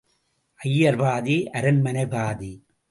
ஐயர் பாதி, அரண்மனை பாதி.